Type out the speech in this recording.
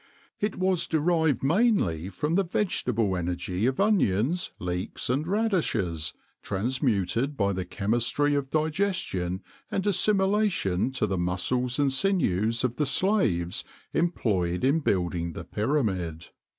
It was derived mainly from the vegetable energy of Onions, leeks and radishes transmuted by the chemistry of digestion and assimilation to the muscles and sinews of the slaves employed in building the Pyramid.